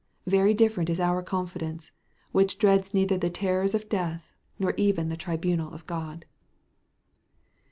Very different is our confidence, which dreads neither the terrors of death, nor even the tribunal of God.